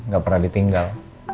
gak pernah ditinggal